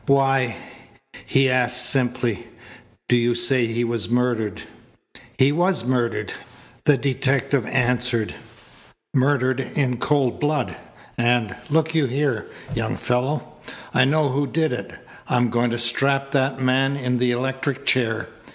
"Why," he asked simply, "do you say he was murdered?" "He was murdered," the detective answered. "Murdered in cold blood, and, look you here, young fellow, I know who did it. I'm going to strap that man in the electric chair.